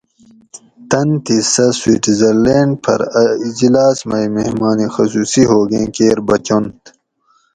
تن تھی سہۤ سوئٹزرلینڈ پھر اۤ اِجلاۤس مئ مہمان خصوصی ہوگیں کیر بچنت